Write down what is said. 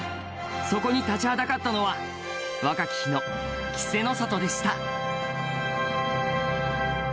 そこに立ちはだかったのは若き日の稀勢の里でした。